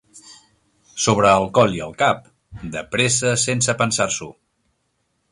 Sobre el coll i el cap, de pressa sense pensar-s'ho.